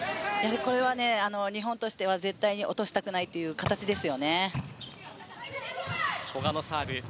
これは日本としては絶対に落としたくない形です。